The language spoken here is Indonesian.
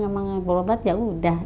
emang berobat ya udah